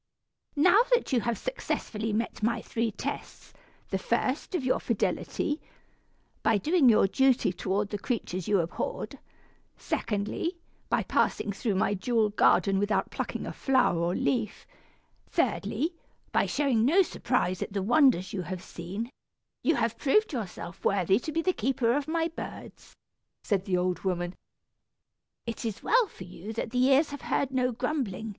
"Now that you have successfully met my three tests the first, of your fidelity, by doing your duty toward the creatures you abhorred; secondly, by passing through my jewel garden without plucking a flower or leaf; thirdly, by showing no surprise at the wonders you have seen you have proved yourself worthy to be the keeper of my birds," said the old woman. "It is well for you that the ears have heard no grumbling.